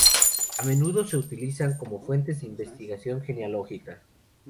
A menudo se utilizan como fuentes de investigación genealógica.